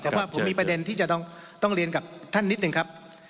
แต่ว่าผมมีประเด็นที่จะต้องเรียนกับท่านนิดหนึ่งครับ